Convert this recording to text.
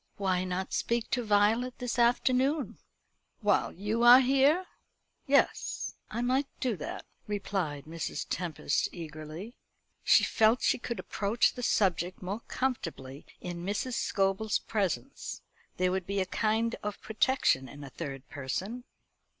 "Why not speak to Violet this afternoon?" "While you are here? Yes, I might do that," replied Mrs. Tempest eagerly. She felt she could approach the subject more comfortably in Mrs. Scobel's presence. There would be a kind of protection in a third person.